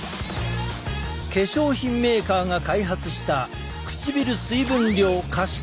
化粧品メーカーが開発した唇水分量可視化カメラだ。